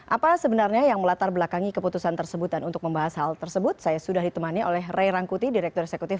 apa sebenarnya yang melatar belakangi keputusan tersebut dan untuk membahas hal tersebut saya sudah ditemani oleh ray rangkuti direktur eksekutif